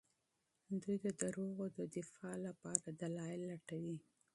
دوی د دروغو د دفاع لپاره دلايل لټوي.